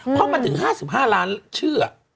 เพราะมันถึง๕๕ล้านชื่อ